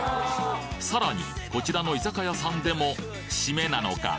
さらにこちらの居酒屋さんでも締めなのか？